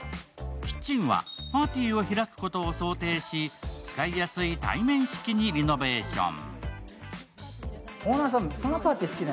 キッチンはパーティーを開くことを想定し、使いやすい対面式にリノベーション。